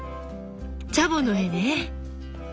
チャボの絵ね。